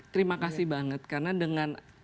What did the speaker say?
terima kasih banget karena dengan